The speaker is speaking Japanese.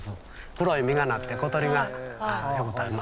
黒い実がなって小鳥がよく食べますね。